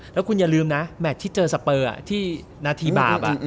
แล้วคุณอย่าลืมนะแมทที่เจอสเปอร์ที่นาทีบาป